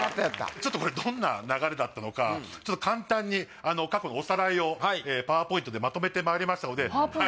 ちょっとこれどんな流れだったのかちょっと簡単に過去のおさらいをパワーポイントでまとめてまいりましたのでは